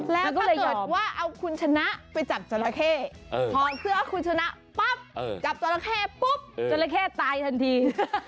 แล้วถ้าเกิดว่าเอาคุณชนะไปจับจราเข้ถอดเสื้อคุณชนะปั๊บจับจราเข้ปุ๊บจราเข้ตายทันที